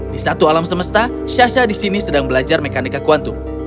di satu alam semesta syasha di sini sedang belajar mekanika kuantum